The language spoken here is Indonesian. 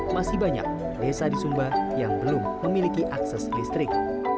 masih banyak desa di sumba yang belum memiliki akses listrik